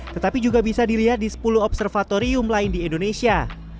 tetapi juga bisa dilihat di sepuluh observatorium lain di indonesia